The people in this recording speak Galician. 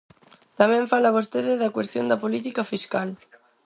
Tamén fala vostede da cuestión da política fiscal.